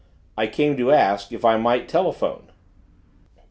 "I came to ask if I might telephone."